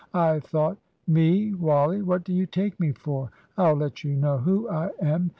I thought " "Me Wally? what do you take me for? I'll let you know who I am.